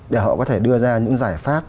để họ có thể đưa ra những giải pháp